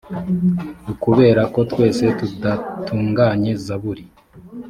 ukubera ko twese tudatunganye zaburi